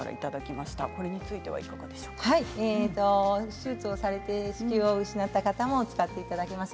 手術をされて子宮を失った方も使っていただけます。